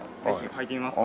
履いてみますか？